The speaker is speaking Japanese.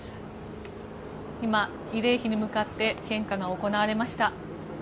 今、慰霊碑に向かって献花が行われました。